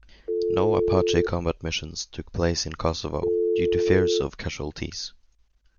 No Apache combat missions took place in Kosovo due to fears of casualties.